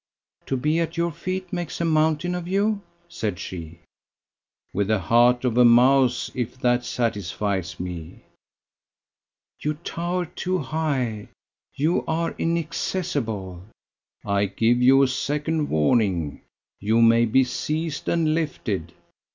"To be at your feet makes a mountain of you?" said she. "With the heart of a mouse if that satisfies me!" "You tower too high; you are inaccessible." "I give you a second warning. You may be seized and lifted."